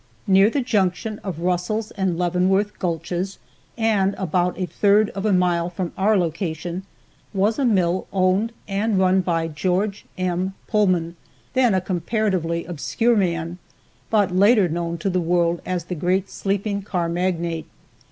Near the junction of Russell's and Leavenworth gulches, and about a third of a mile from our location, was a mill owned and run by George M. Pullman, then a comparatively obscure man, but later known to the world as the great sleeping car magnate.